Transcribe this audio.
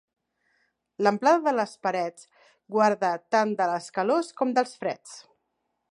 L'amplada de les parets guarda tant de les calors com dels freds.